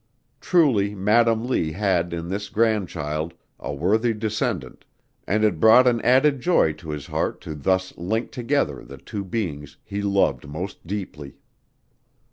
Truly Madam Lee had in this grandchild a worthy descendant, and it brought an added joy to his heart to thus link together the two beings he loved most deeply.